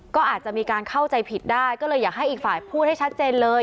ก็อาจจะมีการเข้าใจผิดได้ก็เลยอยากให้อีกฝ่ายพูดให้ชัดเจนเลย